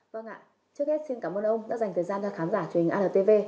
vâng ạ trước hết xin cảm ơn ông đã dành thời gian cho khám giả truyền hình altv